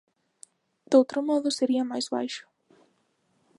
Doutro modo sería máis baixo.